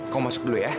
kamu masuk dulu ya